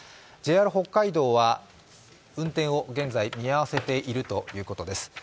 ＪＲ北海道は運転を現在見合わせているということです。